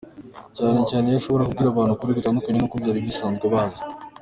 Cyane cyane iyo ashobora kubwira abantu ukuri gutandukanye n’uko bari basanzwe bazi.